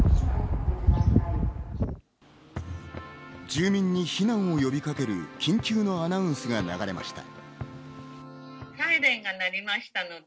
住民に避難を呼びかける緊急のアナウンスが流れました。